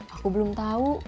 aku belum tahu